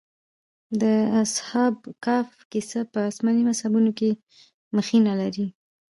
د اصحاب کهف کيسه په آسماني مذهبونو کې مخینه لري.